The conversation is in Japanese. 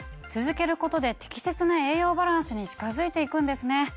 続けることで適切な栄養バランスに近づいて行くんですね。